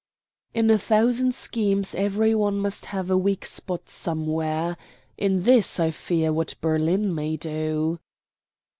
"In a thousand schemes every one must have a weak spot somewhere. In this I fear what Berlin may do."